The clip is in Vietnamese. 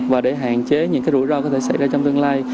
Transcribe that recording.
và để hạn chế những rủi ro có thể xảy ra trong tương lai